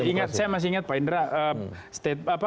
dan saya masih ingat pak indra